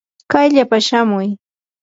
kayllapa shamuy.